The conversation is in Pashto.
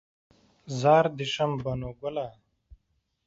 زار دې شم بنو ګله